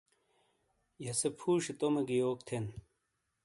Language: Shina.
یا سے فُوشئیے تومے گی یوک تھین